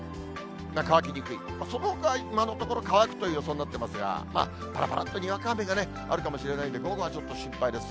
乾きにくい、そのほかは今のところ乾くという予想になってますが、ぱらぱらっとにわか雨があるかもしれないんで、午後はちょっと心配です。